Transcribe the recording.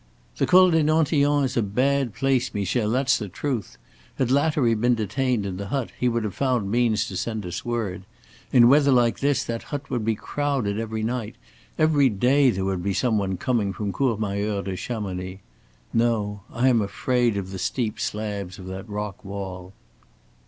"The Col des Nantillons is a bad place, Michel, that's the truth. Had Lattery been detained in the hut he would have found means to send us word. In weather like this, that hut would be crowded every night; every day there would be some one coming from Courmayeur to Chamonix. No! I am afraid of the steep slabs of that rock wall."